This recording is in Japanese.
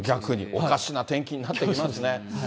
おかしな天気になってきますね。